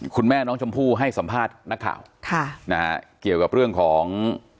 คุณแม่น้องชมพู่ให้สัมภาษณ์นักข่าวค่ะนะฮะเกี่ยวกับเรื่องของ